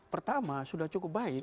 pertama sudah cukup baik